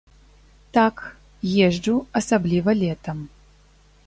Так, езджу, асабліва летам.